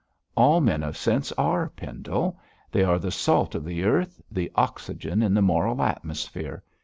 'All men of sense are, Pendle. They are the salt of the earth, the oxygen in the moral atmosphere.